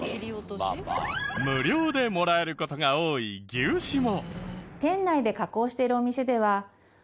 無料でもらえる事が多い牛脂も。